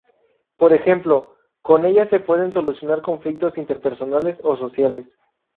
Por ejemplo, con ella se pueden solucionar conflictos interpersonales o sociales.